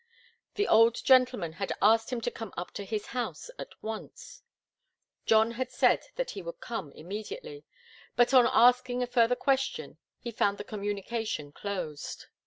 The old gentleman had asked him to come up to his house at once; John had said that he would come immediately, but on asking a further question he found the communication closed.